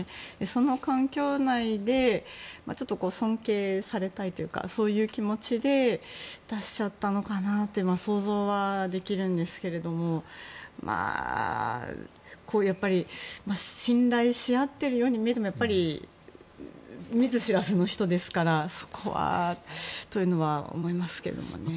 その環境内でちょっと尊敬されたいというかそういう気持ちで出しちゃったのかなというのは想像できるんですけれども信頼し合っているように見えてもやっぱり見ず知らずの人ですからそこはというのは思いますけれどもね。